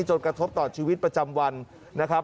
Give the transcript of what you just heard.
กระทบต่อชีวิตประจำวันนะครับ